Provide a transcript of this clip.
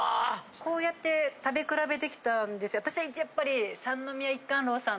こうやって食べ比べてきた私やっぱり。